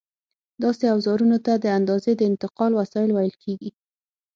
داسې اوزارونو ته د اندازې د انتقال وسایل ویل کېږي.